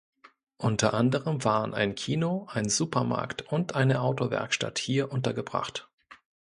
Unter anderem waren ein Kino, ein Supermarkt und eine Autowerkstatt hier untergebracht.